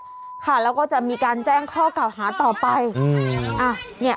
ของแพทย์ค่ะแล้วก็จะมีการแจ้งข้อกล่าวหาต่อไปอืมอ่ะเนี่ย